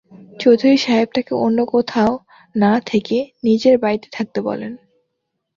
চৌধুরী সাহেব তাকে অন্য কোথাও না থেকে নিজের বাড়িতে থাকতে বলেন।